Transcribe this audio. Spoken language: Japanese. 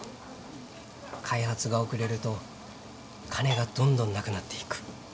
開発が遅れると金がどんどんなくなっていく。